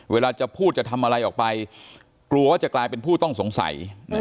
เวลาจะพูดจะทำอะไรออกไปกลัวว่าจะกลายเป็นผู้ต้องสงสัย